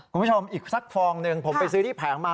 คุณผู้ชมอีกสักฟองหนึ่งผมไปซื้อที่แผงมา